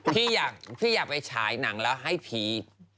พี่อยากไปฉายหนังแล้วให้ผี